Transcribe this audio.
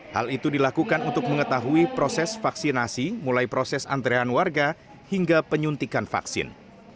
hal itu dilakukan untuk mengetahui proses vaksinasi mulai proses antrean warga hingga penyuntikan vaksin